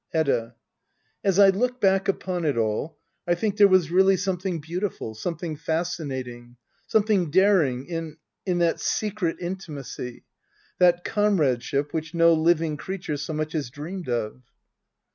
Hedda. As I look back upon it all^ I think there was really something beautiful, something fascinating — something daring — in — ^in that secret intimacy — that comradeship which no living creature so much as dreamed of.